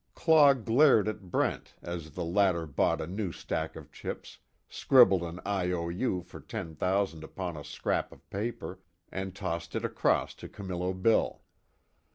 Claw glared at Brent as the latter bought a new stack of chips, scribbled an I.O.U. for ten thousand upon a scrap of paper, and tossed it across to Camillo Bill.